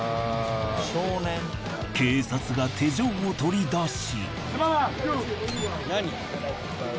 警察が手錠を取り出し。